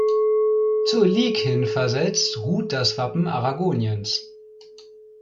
Zur Liek hin versetzt, ruht das Wappen Aragoniens.